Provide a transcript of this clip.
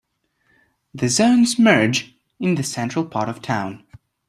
The zones merge in the central part of town.